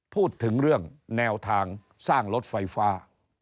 พูดถึงเรื่องแนวทางสร้างรถไฟฟ้า